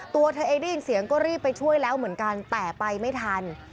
ตัวเธอเองได้ยินเสียงก็รีบไปช่วยแล้วเหมือนกันแต่ไปไม่ทัน